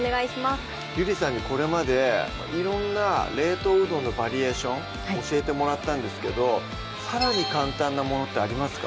ゆりさんにこれまで色んな冷凍うどんのバリエーション教えてもらったんですけどさらに簡単なものってありますか？